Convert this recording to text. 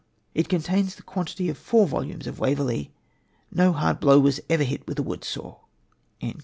It contains the quantity of four volumes of Waverley. No hard blow was ever hit with a woodsaw."